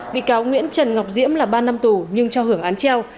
bị cáo nguyễn trần ngọc diễm là ba năm tù nhưng cho hưởng án treo